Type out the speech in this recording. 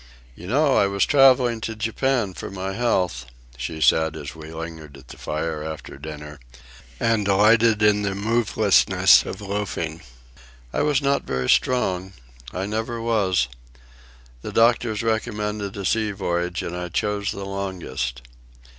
"You know I was travelling to Japan for my health," she said, as we lingered at the fire after dinner and delighted in the movelessness of loafing. "I was not very strong. I never was. The doctors recommended a sea voyage, and I chose the longest."